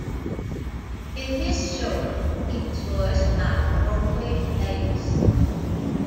In this short, he was voiced by Warwick Davis.